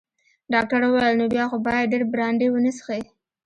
ډاکټر وویل: نو بیا خو باید ډیر برانډي ونه څښې.